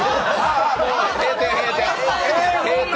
閉店、閉店。